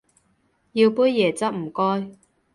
要杯椰汁唔該